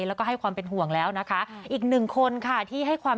แล้วก็ให้ความเป็นห่วงแล้วนะคะอีกหนึ่งคนค่ะที่ให้ความ